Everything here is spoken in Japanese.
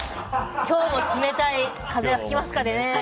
今日も冷たい風が吹きますからね。